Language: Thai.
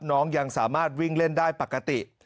น้องยังสามารถวิ่งเล่นได้ปกติ